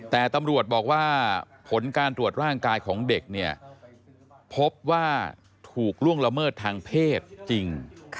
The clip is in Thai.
แต่ตำรวจบอกว่าผลการตรวจร่างกายของเด็กเนี่ยพบว่าถูกล่วงละเมิดทางเพศจริง